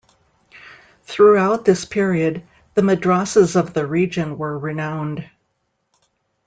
Throughout this period, the madrasahs of the region were renowned.